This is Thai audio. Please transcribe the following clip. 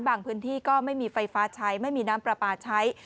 พื้นที่ก็ไม่มีไฟฟ้าใช้ไม่มีน้ำปลาปลาใช้